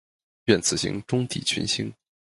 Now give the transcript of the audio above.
愿此行，终抵群星。